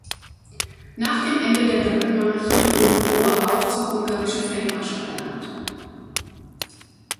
Nach dem Ende der Doppelmonarchie wurde Rohr auch zum ungarischen Feldmarschall ernannt.